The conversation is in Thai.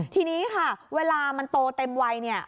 ทีนี้ค่ะเวลามันโตเต็มวัยเนี่ย